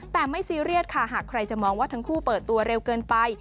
แต่ไม่ซีเรียสค่ะหากใครจะมองว่าทั้งคู่เปิดตัวเร็วเกินไป